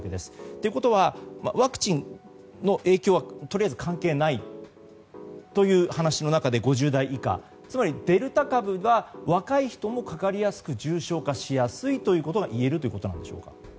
ということは、ワクチンの影響はとりあえず関係ないという話の中で５０代以下つまりデルタ株が若い人もかかりやすく重症化しやすいといえるということでしょうか。